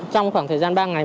trong khoảng thời gian ba ngày